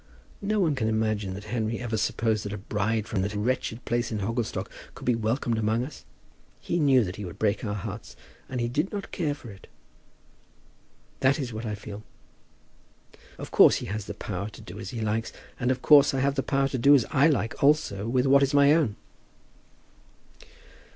No one can imagine that Henry ever supposed that a bride from that wretched place at Hogglestock could be welcomed among us. He knew that he would break our hearts, and he did not care for it. That is what I feel. Of course he has the power to do as he likes; and of course I have the power to do as I like also with what is my own."